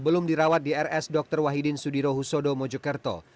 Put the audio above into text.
belum dirawat di rs dr wahidin sudirohusodo mojokerto